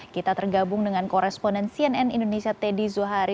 kita tergabung dengan koresponen cnn indonesia teddy zuhari